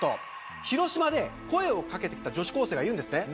広島で声を掛けてきた女子高生がいるんです。